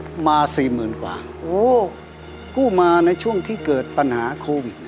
เอามา๔๐๐๐๐บาทกว่ากู้มาในช่วงที่เกิดปัญหาโควิด